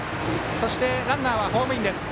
そしてランナーはホームインです。